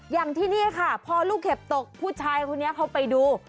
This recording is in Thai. อย่างที่นี่ค่ะพอลูกเห็บตกผู้ชายคนนี้เขาไปดู